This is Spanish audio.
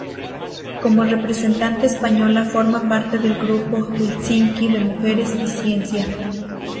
Como representante española forma parte del Grupo Helsinki de Mujeres y Ciencia.